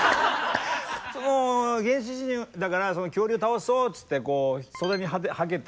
もう原始人だから恐竜を倒そうっつって袖にはけた。